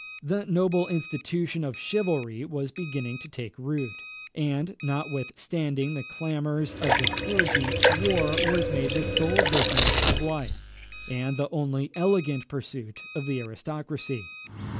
The noble institution of chivalry was beginning to take root, and, notwithstanding the clamours of the clergy, war was made the sole business of life, and the only elegant pursuit of the aristocracy.